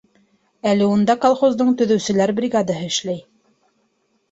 Әле унда колхоздың төҙөүселәр бригадаһы эшләй.